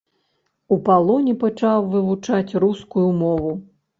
У палоне пачаў вывучаць рускую мову.